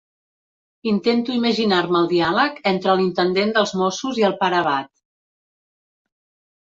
Intento imaginar-me el diàleg entre l'intendent dels Mossos i el pare abat.